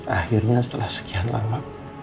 akhirnya setelah sekian lama